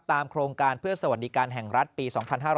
โครงการเพื่อสวัสดิการแห่งรัฐปี๒๕๕๙